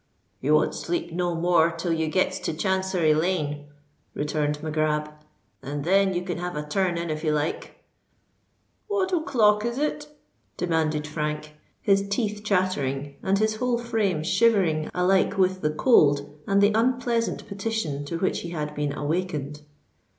"You won't sleep no more till you gets to Chancery Lane," returned Mac Grab; "and then you can have a turn in if you like." "What o'clock is it?" demanded Frank, his teeth chattering and his whole frame shivering alike with the cold and the unpleasant petition to which he had been awakened.